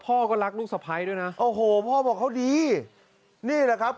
พ่อก็รักลูกสะพ้ายด้วยนะโอ้โหพ่อบอกเขาดีนี่แหละครับ